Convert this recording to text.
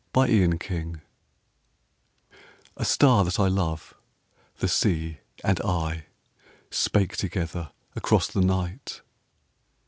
THE WIND'S WORD A star that I love, The sea, and I, Spake together across the night.